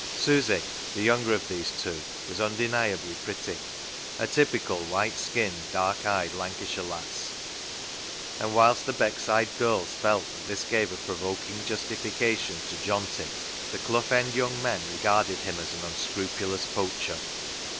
Susy, the younger of these two, was un deniably pretty, a typical white skinned, dark eyed Lancashire lass, and whilst the Beckside girls felt that this gave a provoking justification to Johnty, the Clough End young men regarded him as an unscrupulous poacher.